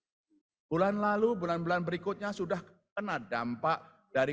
oleh pemerintah administer price bulan lalu bulan bulan berikutnya sudah kena dampak dari